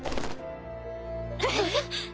えっ！？